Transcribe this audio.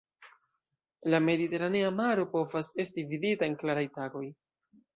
La Mediteranea Maro povas esti vidita en klaraj tagoj.